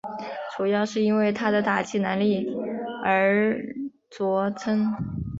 主要是因为他的打击能力而着称。